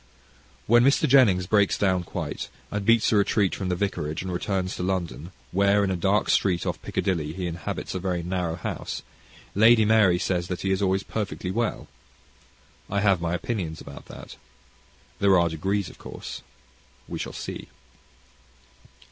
When Mr. Jennings breaks down quite, and beats a retreat from the vicarage, and returns to London, where, in a dark street off Piccadilly, he inhabits a very narrow house, Lady Mary says that he is always perfectly well. I have my own opinion about that. There are degrees of course. We shall see.